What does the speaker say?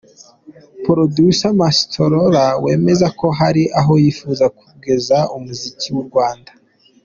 Producer Mastola wemezako hari aho yifuza kugeza umuziki w'u Rwanda.